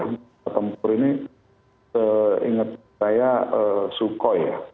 pesawat tempur ini seingat saya sukhoi ya